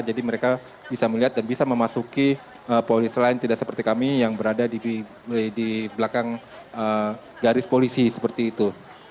jadi mereka bisa melihat dan bisa memasuki polis lain tidak seperti kami yang berada di belakang garis polisi seperti itu